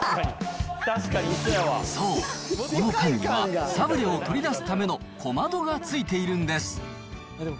そう、この缶にはサブレを取り出すための小窓がついているんです。